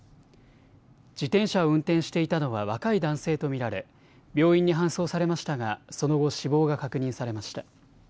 自転車を運転していたのは若い男性と見られ病院に搬送されましたがその後、死亡が確認されました。